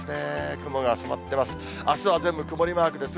雲が染まってます。